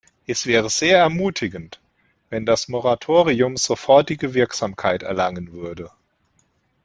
Es wäre sehr ermutigend, wenn das Moratorium sofortige Wirksamkeit erlangen würde.